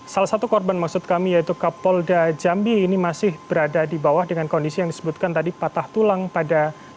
salah satu korban maksud kami yaitu kapolda jambi ini masih berada di bawah dengan kondisi yang disebutkan tadi patah tulang pada